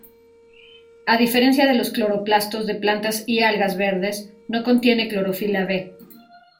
A diferencia de los cloroplastos de plantas y algas verdes, no contiene clorofila b.